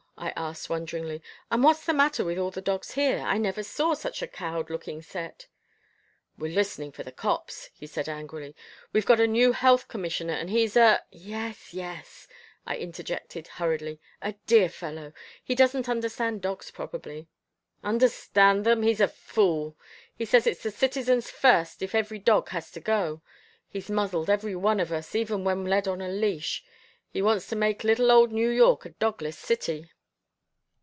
I asked wonderingly. "And what's the matter with all the dogs here? I never saw such a cowed looking set." "We're listening for the cops," he said angrily. "We've got a new health commissioner and he's a " "Yes, yes," I interjected hurriedly, "a dear fellow. He doesn't understand dogs probably." "Understand them he's a fool. He says it's the citizens first, if every dog has to go. He's muzzled every one of us, even when led on a leash. He wants to make little old New York a dogless city."